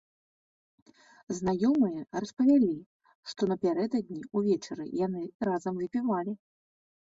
Знаёмыя распавялі, што напярэдадні ўвечары яны разам выпівалі.